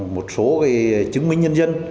một số cái chứng minh nhân dân